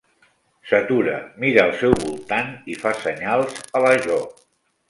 S'atura, mira al seu voltant i fa senyals a la Jo.